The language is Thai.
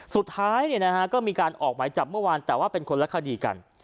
สุดท้ายก็มีการออกหมายจับเมื่อวานแต่ว่าเป็นคนละคดีกัน